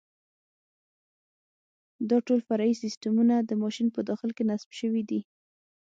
دا ټول فرعي سیسټمونه د ماشین په داخل کې نصب شوي دي.